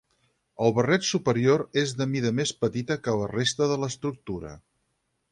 El barret superior és de mida més petita que la resta de l'estructura.